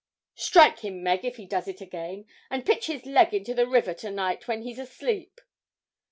'Strike him, Meg, if he does it again; and pitch his leg into the river to night, when he's asleep.'